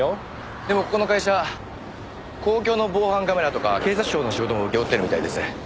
でもここの会社公共の防犯カメラとか警察庁の仕事も請け負ってるみたいです。